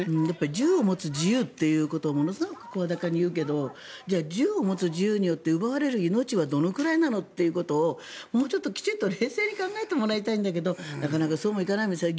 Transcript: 銃を持つ自由ということをものすごく声高に言うけどじゃあ、銃を持つ自由によって奪われる命はどのくらいなのということをもうちょっときちんと冷静に考えてもらいたいんだけどなかなかそうもいかないんですよね。